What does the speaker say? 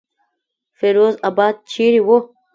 فیروز آباد چېرې وو.